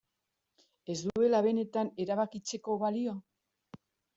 Ez duela benetan erabakitzeko balio?